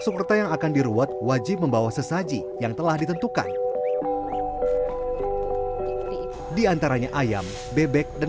serta yang akan diruat wajib membawa sesaji yang telah ditentukan diantaranya ayam bebek dan